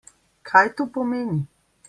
Kaj to pomeni?